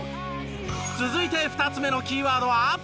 続いて２つ目のキーワードは。